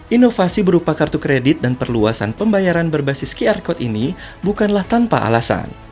inovasi berupa kartu kredit dan perluasan pembayaran berbasis qr code ini bukanlah tanpa alasan